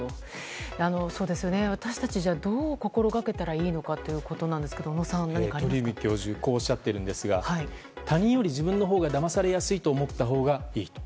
私たち、じゃあどう心がけたらいいかということですが鳥海教授はこうおっしゃっているんですが他人より自分のほうがだまされやすいと思ったほうがいいと。